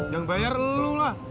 yang bayar lu lah